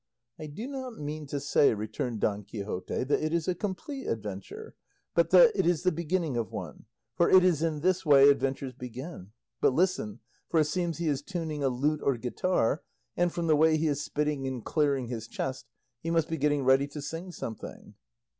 "I do not mean to say," returned Don Quixote, "that it is a complete adventure, but that it is the beginning of one, for it is in this way adventures begin. But listen, for it seems he is tuning a lute or guitar, and from the way he is spitting and clearing his chest he must be getting ready to sing something."